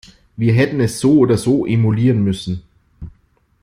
Wir hätten es so oder so emulieren müssen.